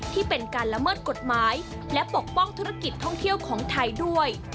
ที่เป็นการละเมิดกฎหมายและปกป้องธุรกิจท่องเที่ยวของไทยด้วย